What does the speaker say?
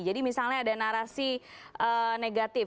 jadi misalnya ada narasi